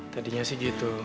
tadinya sih gitu